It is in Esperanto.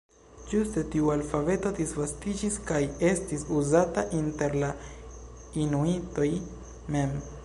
Ĝuste tiu alfabeto disvastiĝis kaj estis uzata inter la inuitoj mem.